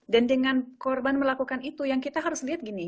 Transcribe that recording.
dan dengan korban melakukan itu yang kita harus lihat begini